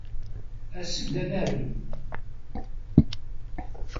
As-d ad narem!